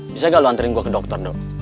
bisa gak lo anterin gue ke dokter dok